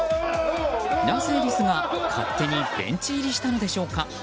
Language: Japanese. なぜリスが勝手にベンチ入りしたのでしょうか？